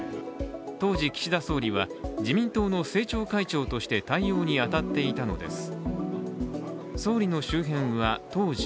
当時、岸田総理は、自民党の政調会長として対応に当たっていたのです。